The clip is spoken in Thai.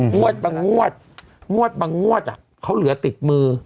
งวดประงวดงวดประงวดอะเค้าเหลือติดมือ